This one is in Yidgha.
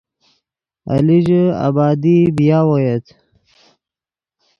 ایلیژے آبادی بی یاؤ اویت